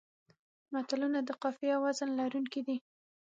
متلونه د قافیې او وزن لرونکي دي